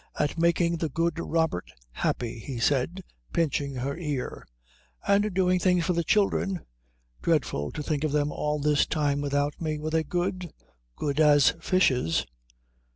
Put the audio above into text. "At making the good Robert happy," he said, pinching her ear. "And doing things for the children. Dreadful to think of them all this time without me. Were they good?" "Good as fishes."